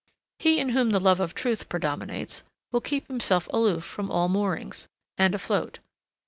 He in whom the love of truth predominates will keep himself aloof from all moorings, and afloat.